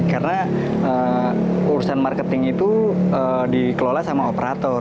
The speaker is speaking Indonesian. karena urusan marketing itu dikelola sama operator